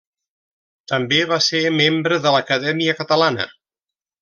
També va ser membre de l'Acadèmia Catalana.